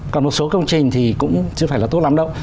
còn một số công trình thì cũng chưa phải là tốt lắm đâu